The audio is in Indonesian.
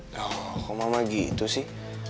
loh kok mama gitu sih